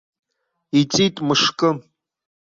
Иҵит мышкы.